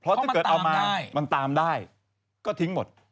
เพราะถ้าเกิดเอามามันตามได้ก็ทิ้งหมด